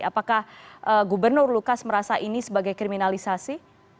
apakah gubernur lukas merasa ini sebagai kriminalisasi